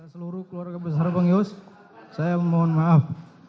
seluruh keluarga besar bang yos saya mohon maaf